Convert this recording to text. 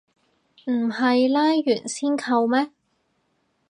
唔係拉完先扣咩